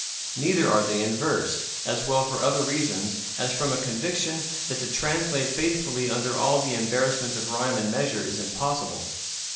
Neither are they in verse, as well for other reasons as from a conviction that to translate faithfully under all the embarrassments of rhyme and measure is impossible.